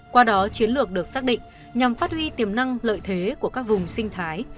qua đó chiến lược được xác định nhằm phát huy tiềm năng lợi thế của các vùng sinh thái